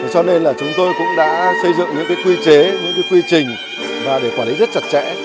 cho nên là chúng tôi cũng đã xây dựng những cái quy chế những cái quy trình và để quản lý rất chặt chẽ